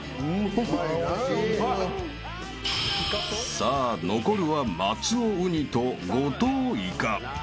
［さあ残るは松尾ウニと後藤イカ］